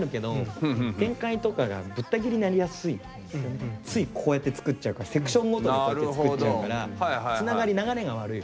結構ついこうやって作っちゃうからセクションごとにこうやって作っちゃうからつながり流れが悪い。